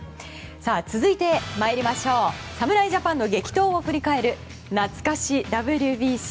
続いて侍ジャパンの激闘を振り返るなつか史ＷＢＣ。